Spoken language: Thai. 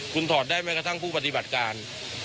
คุณถอดได้แม้กระทั่งผู้ปฏิบัติการ